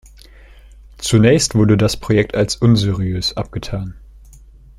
Zunächst wurde das Projekt als unseriös abgetan.